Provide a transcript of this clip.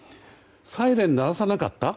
サイレンを鳴らさなかった？